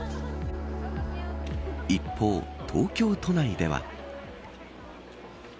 一方、東京都内では。